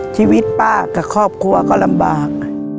ชีวิตป้ากับครอบครัวก็ลำบาก